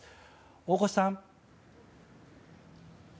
大越さん。